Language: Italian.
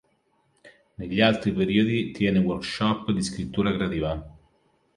Negli altri periodi tiene workshop di scrittura creativa.